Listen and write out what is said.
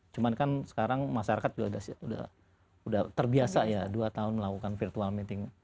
cuman kan sekarang masyarakat sudah terbiasa ya dua tahun melakukan virtual meeting